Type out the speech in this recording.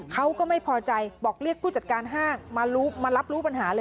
เขาก็ไม่พอใจบอกเรียกผู้จัดการห้างมารับรู้ปัญหาเลย